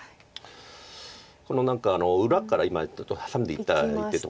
何か裏から今ちょっとハサんでいった一手とか。